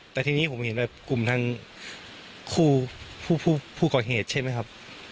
แต่ทีนี้ผมเห็นแบบกลุ่มทางคู่ผู้ก่อเหตุใช่ไหมครับ